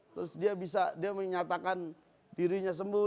terus dia bisa dia menyatakan dirinya sembuh